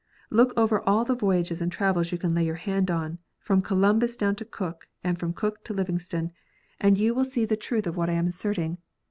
Look over all the voyages and travels you can lay your hand on, from Columbus down to Cook, and from Cook to Livingstone, and you will see the 30 KNOTS UNTIED. truth of what I am asserting.